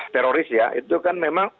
teroris ya itu kan memang